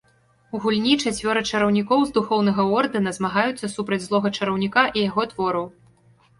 У гульні чацвёра чараўнікоў з духоўнага ордэна змагаюцца супраць злога чараўніка і яго твораў.